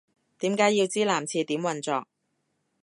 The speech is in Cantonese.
點解要知男廁點運作